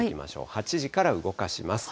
８時から動かします。